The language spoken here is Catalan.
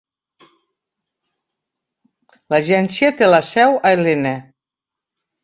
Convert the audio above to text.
L'agència té la seu a Helena.